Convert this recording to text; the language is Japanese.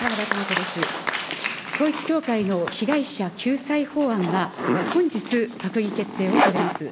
統一教会の被害者救済法案が、本日閣議決定をされます。